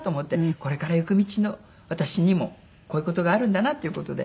これから行く道の私にもこういう事があるんだなという事で。